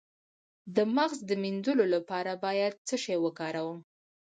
د مغز د مینځلو لپاره باید څه شی وکاروم؟